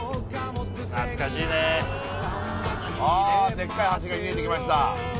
デッカい橋が見えてきました